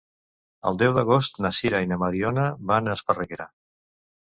El deu d'agost na Sira i na Mariona van a Esparreguera.